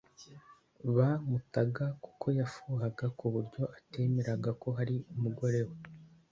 ba Mutaga kuko yafuhaga ku buryo atemeraga ko hari umugore we